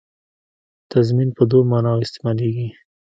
تضمین په دوو معناوو استعمالېږي.